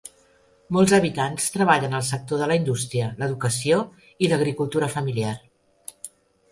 Molts habitants treballen al sector de la indústria, l'educació i l'agricultura familiar.